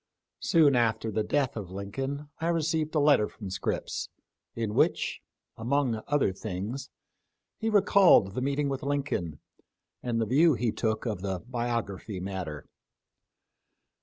Soon after the death of Lincoln I received a letter from Scripps, in which, among other things, he recalled the meeting with Lincoln, and the view he took of the biography matter.